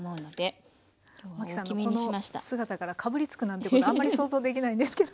マキさんのこの姿からかぶりつくなんてことあんまり想像できないんですけど。